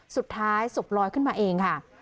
สุดท้ายศพลอยขึ้นมาเองค่ะ